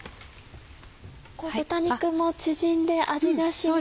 豚肉も縮んで味が染みて。